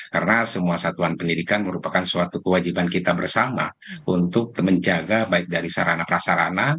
karena semua satuan pendidikan merupakan suatu kewajiban kita bersama untuk menjaga baik dari sarana prasarana